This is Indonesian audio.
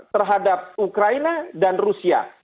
terhadap ukraina dan rusia